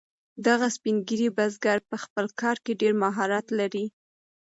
دغه سپین ږیری بزګر په خپل کار کې ډیر مهارت لري.